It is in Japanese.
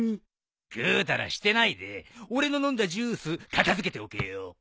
ぐうたらしてないで俺の飲んだジュース片付けておけよ。